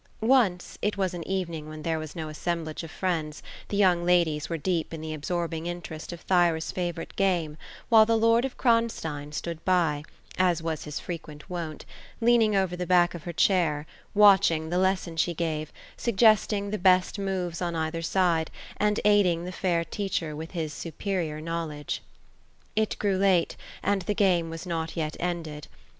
Once. — it was an evening when there was no assemblage of friends, the young ladies were deep in the absorbing interest of Th3Ta'8 favorite game, while the lord of Kronstein stood by, as was his frequent wont, leaning over the back of her chair, watching the lesson she gave, sug gesting the best moves on either side, and aiding the fair teacher with bis superior knowledge. It grew late, and the game was not yet ended.